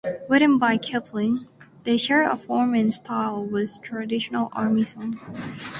Written by Kipling, they share a form and a style with traditional Army songs.